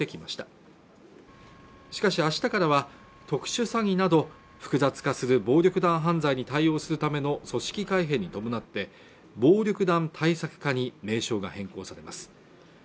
しかし明日からは特殊詐欺など複雑化する暴力団犯罪に対応するための組織改編に伴って暴力団対策課に名称が変更されます